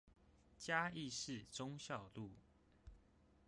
嘉義市忠孝路